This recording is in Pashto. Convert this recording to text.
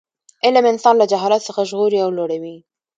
علم انسان له جهالت څخه ژغوري او لوړوي.